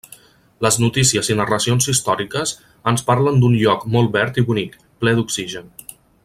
Les notícies i narracions històriques ens parlen d'un lloc molt verd i bonic, ple d'oxigen.